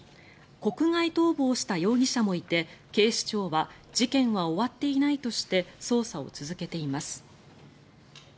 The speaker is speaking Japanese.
国外逃亡した容疑者もいて警視庁は事件は終わっていないとして捜査を続けています。